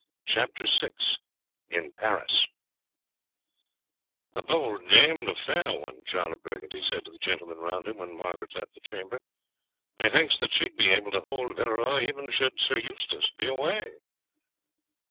CHAPTER VI IN PARIS "A bold dame and a fair one," John of Burgundy said to the gentlemen round him when Margaret left the chamber. "Methinks that she would be able to hold Villeroy even should Sir Eustace be away."